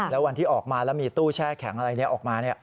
แล้ววันที่ออกมาแล้วมีตู้แช่แข็งอะไรออกมา